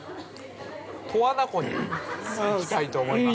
十和田湖に行きたいと思います。